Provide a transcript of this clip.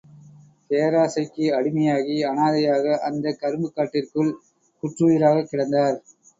பேராசைக்கு அடிமையாகி, அனாதையாக, அந்த கரும்புக் காட்டிற்குள் குற்றுயிராகக் கிடந்தார்.